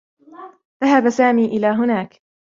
ذهب سامي إلى هناك.